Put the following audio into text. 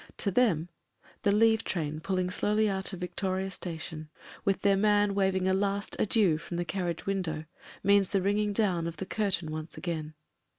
To them the leave train pulling slowly out of Victoria Station, with their man waving a last adieu from the carriage window, means the ringing down of the curtain once again.